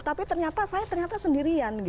tapi ternyata saya ternyata sendirian